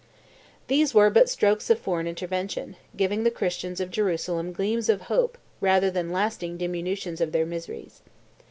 These were but strokes of foreign intervention, giving the Christians of Jerusalem gleams of hope rather than lasting diminution of their miseries.